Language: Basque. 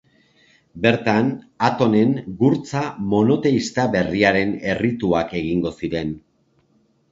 Bertan, Atonen gurtza monoteista berriaren errituak egingo ziren.